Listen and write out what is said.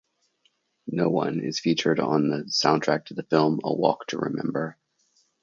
"No One" is featured on the soundtrack to the film "A Walk to Remember".